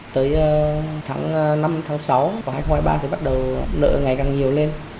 tới tháng năm tháng sáu và hai nghìn hai mươi ba thì bắt đầu nợ ngày càng nhiều lên